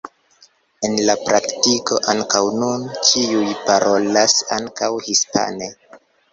En la praktiko ankaŭ nun ĉiuj parolas ankaŭ hispane.